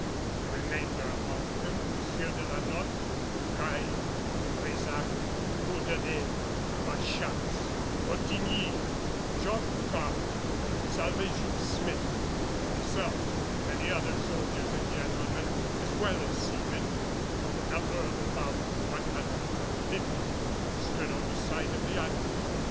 The remainder, among them the Sieur de la Notte, La Caille, De Brésac, Bourdelais, Bachasse, Ottigny, Job Goddard, Salvation Smith, myself and many other soldiers and gentlemen as well as seamen, to the number of about one hundred and fifty, stood on the side of the Admiral.